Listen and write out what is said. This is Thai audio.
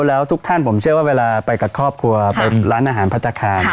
แล้วทุกท่านผมเชื่อว่าเวลาไปกับครอบครัวไปร้านอาหารพัฒนาคาร